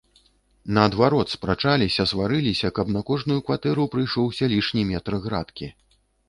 Наадварот, спрачаліся, сварыліся, каб на кожную кватэру прыйшоўся лішні метр градкі.